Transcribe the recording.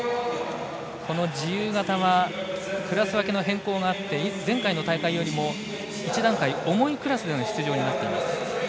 この自由形はクラス分けの変更があって前回の大会よりも一段階、重いクラスでの出場になっています。